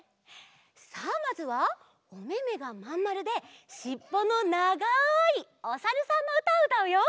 さあまずはおめめがまんまるでしっぽのながいおさるさんのうたをうたうよ！